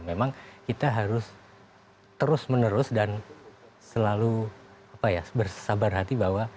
memang kita harus terus menerus dan selalu bersabar hati bahwa